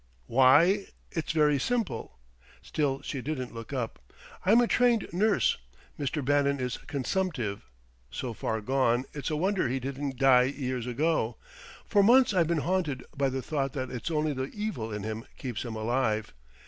"Why it's very simple." Still she didn't look up. "I'm a trained nurse. Mr. Bannon is consumptive so far gone, it's a wonder he didn't die years ago: for months I've been haunted by the thought that it's only the evil in him keeps him alive.